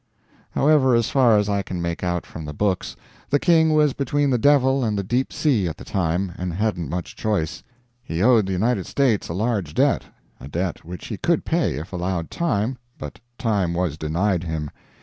However, as far as I can make out from the books, the King was between the devil and the deep sea at the time, and hadn't much choice. He owed the United States a large debt a debt which he could pay if allowed time, but time was denied him.